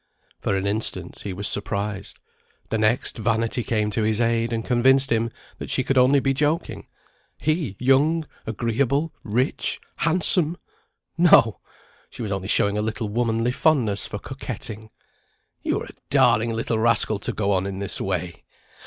For an instant he was surprised; the next, vanity came to his aid, and convinced him that she could only be joking. He, young, agreeable, rich, handsome! No! she was only showing a little womanly fondness for coquetting. "You're a darling little rascal to go on in this way!